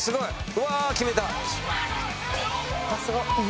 うわ決めた！